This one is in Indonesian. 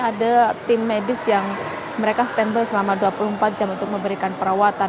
ada tim medis yang mereka standby selama dua puluh empat jam untuk memberikan perawatan